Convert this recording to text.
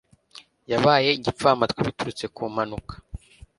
Yabaye igipfamatwi biturutse ku mpanuka.